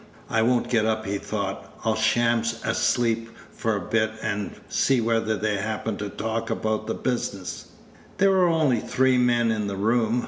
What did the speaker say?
"I won't get up," he thought; "I'll sham asleep for a bit, and see whether they happen to talk about the business." There were only three men in the room.